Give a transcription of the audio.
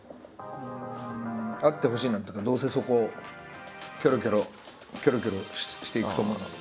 あってほしいなっていうかどうせそこをキョロキョロキョロキョロしていくと思うんだけど。